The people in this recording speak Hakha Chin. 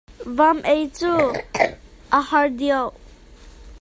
Vam ei cu a har deuh.